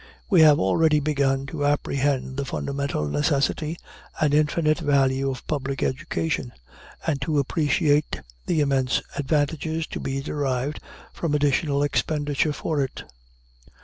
We have hardly begun to apprehend the fundamental necessity and infinite value of public education, or to appreciate the immense advantages to be derived from additional expenditure for it.